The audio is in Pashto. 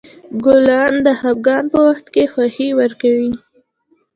ګلان د خفګان په وخت خوښي ورکوي.